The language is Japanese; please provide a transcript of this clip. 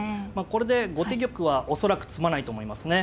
これで後手玉は恐らく詰まないと思いますね。